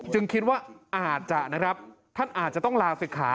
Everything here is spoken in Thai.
คิดว่าอาจจะนะครับท่านอาจจะต้องลาศิกขา